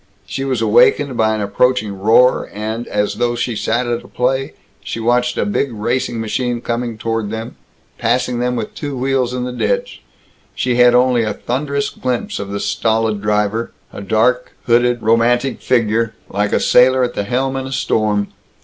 She was awakened by an approaching roar and, as though she sat at a play, she watched a big racing machine coming toward them, passing them with two wheels in the ditch. She had only a thunderous glimpse of the stolid driver; a dark, hooded, romantic figure, like a sailor at the helm in a storm.